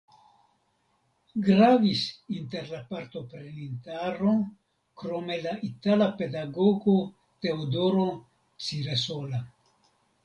Gravis inter la partoprenintaro krome la itala pedagogo Teodoro Ciresola.